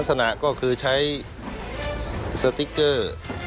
ลักษณะก็คือใช้สติ๊กเกอร์